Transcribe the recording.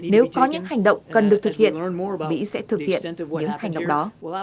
nếu có những hành động cần được thực hiện mỹ sẽ thực hiện những hành động đó